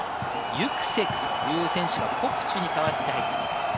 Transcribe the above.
ユクセクという選手がコクチュに代わって入っています。